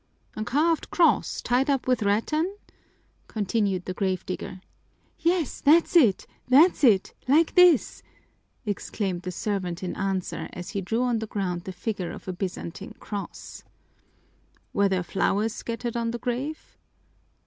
"A carved cross tied up with rattan?" continued the grave digger. "That's it, that's it, like this!" exclaimed the servant in answer as he drew on the ground the figure of a Byzantine cross. "Were there flowers scattered on the grave?"